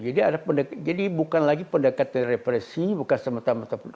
jadi bukan lagi pendekatan represi bukan semata mata